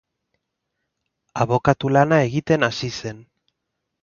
Abokatu lana egiten hasi zen.